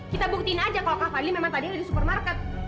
kita buktiin aja kalau kak fadil memang tadi ada di supermarket